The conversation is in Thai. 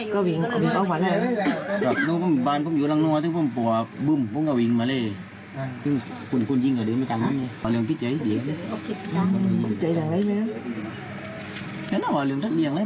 คุณคุณยิ่งก็เดี๋ยวไม่ต่างกันเนี่ยว่าเรียงพิเศษจริงจริง